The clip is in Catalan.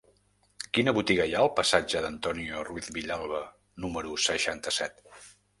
Quina botiga hi ha al passatge d'Antonio Ruiz Villalba número seixanta-set?